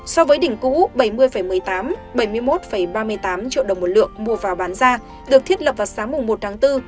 so với đỉnh cũ bảy mươi một mươi tám bảy mươi một ba mươi tám triệu đồng một lượng mua vào bán ra được thiết lập vào sáng một tháng bốn